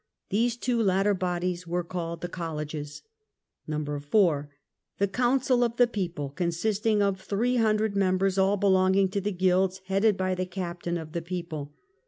These two latter bodies were called the Colleges. 4. The Council of the People, consisting of 300 members all belonging to the Guilds, headed by the Captain of the People.